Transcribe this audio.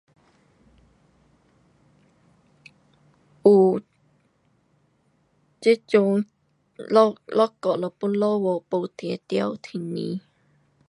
有，这阵一下就要落雨，不一定天气。